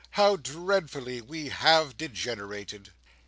How dreadfully we have degenerated!"